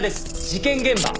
事件現場。